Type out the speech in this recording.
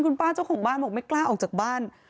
คุณป้าเจ้าของบ้านบอกไม่กล้าออกจากบ้าน